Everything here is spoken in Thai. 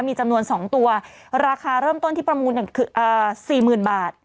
มีจำนวน๒ตัวราคาร่ำต้นที่ประมูลอย่างคือ๔๐๐๐๐บาท